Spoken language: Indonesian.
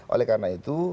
oleh karena itu